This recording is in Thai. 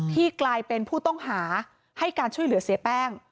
กลายเป็นผู้ต้องหาให้การช่วยเหลือเสียแป้ง